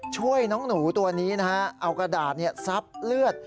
ช่วยน้องหนูตัวนี้นะฮะเอากระดาษซับเลือด